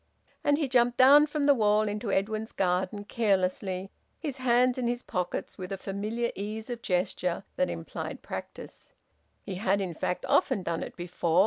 And he jumped down from the wall into Edwin's garden, carelessly, his hands in his pockets, with a familiar ease of gesture that implied practice. He had in fact often done it before.